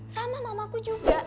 sama mamaku juga